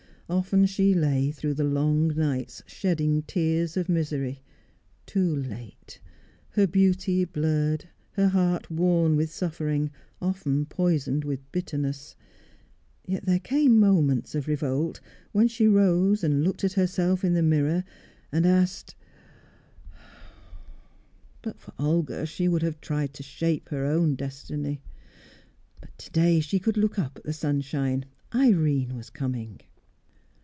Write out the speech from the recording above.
Often she lay through the long nights shedding tears of misery. Too late; her beauty blurred, her heart worn with suffering, often poisoned with bitterness. Yet there came moments of revolt, when she rose and looked at herself in the mirror, and asked But for Olga, she would have tried to shape her own destiny. To day she could look up at the sunshine. Irene was coming.